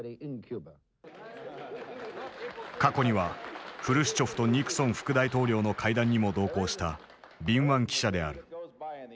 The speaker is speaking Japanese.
過去にはフルシチョフとニクソン副大統領の会談にも同行した敏腕記者である。